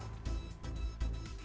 sehat selalu pak